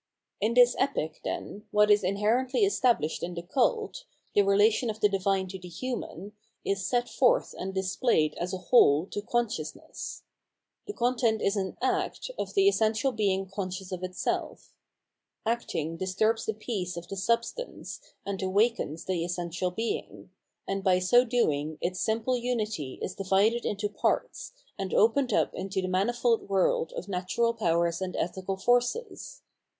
In this Epic, then, what is inherently established m the cult, the relation of the divine to the human, is set forth and displayed as a whole to consciousness. The content is an ''act"* of the essential Being con scious of itself. Acting disturbs the peace of the sub stance, and awakens the essential Being ; and by so doing its simple unity is divided into parts, and opened up into the manifold world of natural powers and ethical forces.